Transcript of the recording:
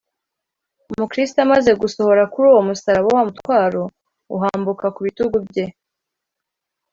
Mukristo amaze gusohora kuri uwo musaraba, wa mutwaro uhambuka ku bitugu bye